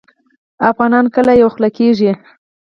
افغانان کله یوه خوله کیږي؟